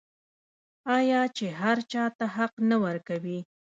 آیا چې هر چا ته حق نه ورکوي؟